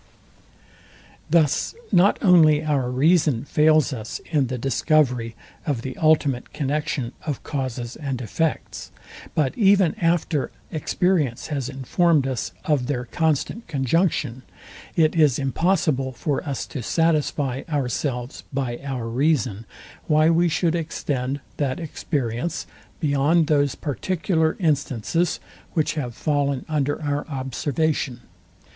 Thus not only our reason fails us in the discovery of the ultimate connexion of causes and effects, but even after experience has informed us of their constant conjunction, it is impossible for us to satisfy ourselves by our reason, why we should extend that experience beyond those particular instances, which have fallen under our observation.